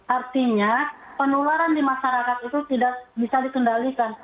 artinya penularan di masyarakat itu tidak bisa dikendalikan